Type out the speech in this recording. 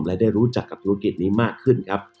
และได้รู้จักกับธุรกิจนี้มากขึ้นครับ